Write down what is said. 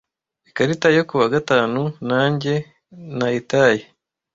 Ikarita yo kuwa gatanu yanjye nayitaye